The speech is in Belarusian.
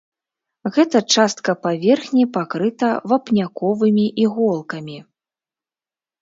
Гэта частка паверхні пакрыта вапняковымі іголкамі.